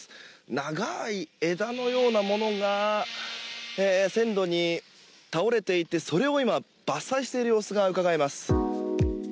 長い枝のようなものが線路に倒れていてそれを今、伐採している様子がうかがえます。